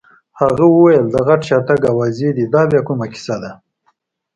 هغه وویل: د غټ شاتګ اوازې دي، دا بیا کومه کیسه ده؟